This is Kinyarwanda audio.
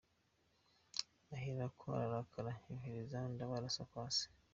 Ahera ko arakara yohereza Ndabarasa kwa se.